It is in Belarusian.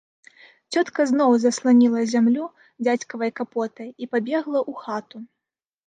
Цётка зноў засланіла зямлю дзядзькавай капотай і пабегла ў хату.